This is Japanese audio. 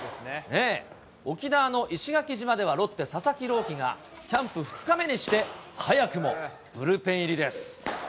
沖縄の石垣島ではロッテ、佐々木朗希がキャンプ２日目にして、早くもブルペン入りです。